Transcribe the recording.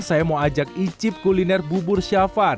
saya mau ajak icip kuliner bubur syafan